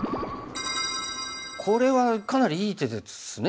これはかなりいい手ですね